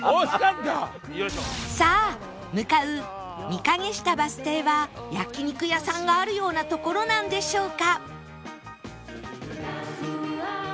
さあ向かう御蔭下バス停は焼肉屋さんがあるような所なんでしょうか？